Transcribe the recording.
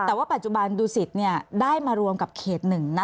แต่ว่าปัจจุบันดูสิตได้มารวมกับเขต๑นะ